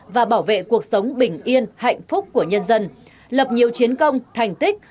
và bảo vệ cuộc sống bình yên hạnh phúc của nhân dân lập nhiều chiến công thành tích